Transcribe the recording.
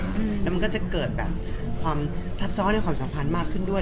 แล้วมันก็จะเกิดแบบความซับซ้อนในความสัมพันธ์มากขึ้นด้วย